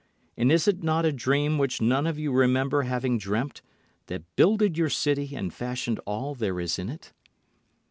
And is it not a dream which none of you remember having dreamt, that builded your city and fashioned all there is in it?